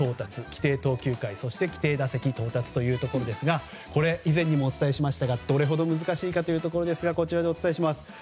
規定投球回そして規定打席到達というところですが以前もお伝えしましたがどれほど難しいかこちらでお伝えします。